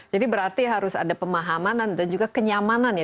jadi berarti harus ada pemahamanan dan juga kenyamanan ya